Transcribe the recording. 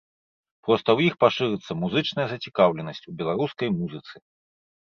Проста ў іх пашырыцца музычная зацікаўленасць у беларускай музыцы.